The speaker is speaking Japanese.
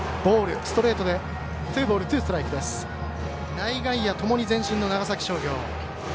内外野ともに前進の長崎商業。